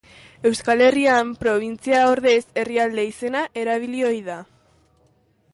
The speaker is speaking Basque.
Euskal Herrian probintzia ordez herrialde izena erabili ohi da.